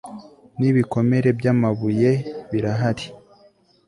nibikomere byamabuye birahari